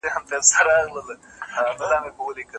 ښه لارښود تل د خپلو شاګردانو د دایمي بریالیتوب هیله لري.